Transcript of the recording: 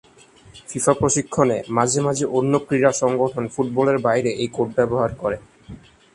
FIFA প্রশিক্ষণে মাঝে মাঝে অন্য ক্রীড়া সংগঠন ফুটবলের বাইরে এই কোড ব্যবহার করে।